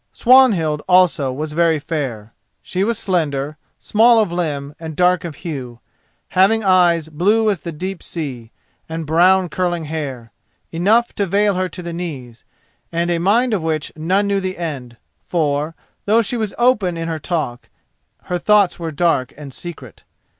Swanhild also was very fair; she was slender, small of limb, and dark of hue, having eyes blue as the deep sea, and brown curling hair, enough to veil her to the knees, and a mind of which none knew the end, for, though she was open in her talk, her thoughts were dark and secret.